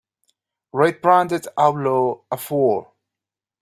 rate Branded Outlaw a four